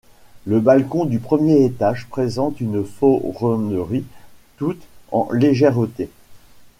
Le balcon du premier étage présente une ferronnerie toute en légèreté.